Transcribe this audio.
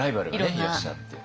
いらっしゃって。